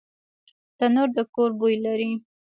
تنور د کور بوی لري